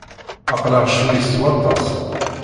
Aql-aɣ ccwi s waṭas.